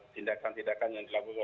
tindakan tindakan yang dilakukan